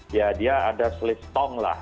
ya dia ada slift tong lah